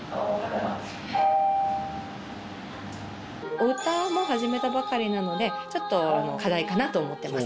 お歌も始めたばかりなのでちょっと課題かなと思ってます。